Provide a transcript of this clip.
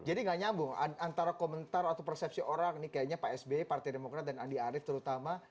jadi nggak nyambung antara komentar atau persepsi orang nih kayaknya pak sby partai demokrat dan andi arief terutama